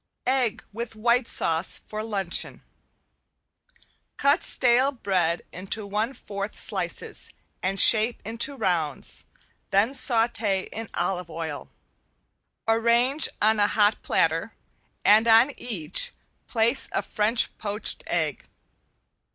~EGG WITH WHITE SAUCE FOR LUNCHEON~ Cut stale bread into one fourth slices and shape into rounds, then saute in olive oil. Arrange on a hot platter and on each place a French poached egg.